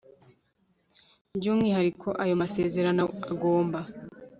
by umwihariko ayo masezerano agomba